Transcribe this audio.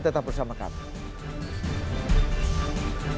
tetap bersama kami